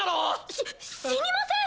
⁉し死にません！